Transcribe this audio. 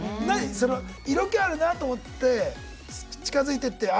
その色気あるなと思って近づいてってあ